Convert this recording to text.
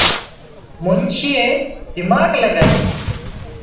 منڇيئي دماڳ لڳايون